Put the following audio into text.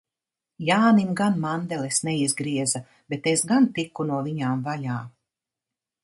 Jānim gan mandeles neizgrieza, bet es gan tiku no viņām vaļā.